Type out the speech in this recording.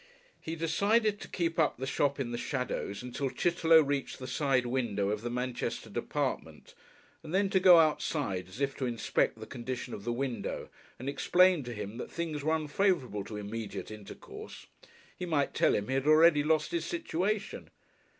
He decided to keep up the shop in the shadows until Chitterlow reached the side window of the Manchester department and then to go outside as if to inspect the condition of the window and explain to him that things were unfavourable to immediate intercourse. He might tell him he had already lost his situation....